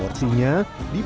mau pesen yang berapa